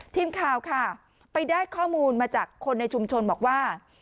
ทีมข่าวค่ะไปได้ข้อมูลมาจากคนในชุมชนบอกว่า